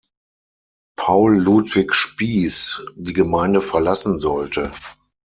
Paul-Ludwig Spies die Gemeinde verlassen sollte.